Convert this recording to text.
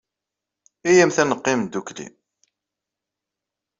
Iyyamt ad neqqim ddukkli.